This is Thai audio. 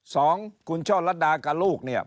สองคุณช่อลัดดากับลูกเนี่ย